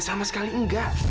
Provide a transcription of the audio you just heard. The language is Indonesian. sama sekali enggak